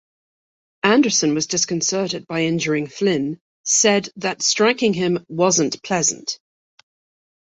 Anderson was disconcerted by injuring Flynn said that striking him "wasn't pleasant".